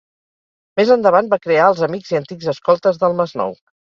Més endavant, va crear els Amics i Antics Escoltes del Masnou.